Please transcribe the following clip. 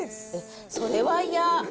それは嫌。